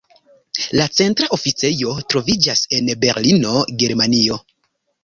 La centra oficejo troviĝas en Berlino, Germanio.